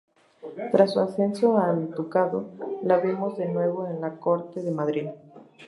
Tras su ascenso al ducado, le vemos de nuevo en la Corte de Madrid.